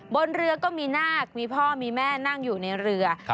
บนเรือก็มีนาคมีพ่อมีแม่นั่งอยู่ในเรือ